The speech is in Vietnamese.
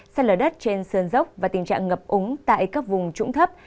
sạt lở đất trên sơn dốc và tình trạng ngập úng tại các vùng trũng thấp